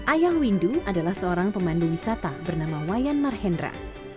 ayah windu adalah seorang pemandu wisata bernama wayan mahendra